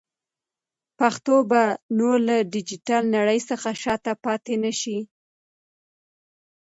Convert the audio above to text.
پښتو به نور له ډیجیټل نړۍ څخه شاته پاتې نشي.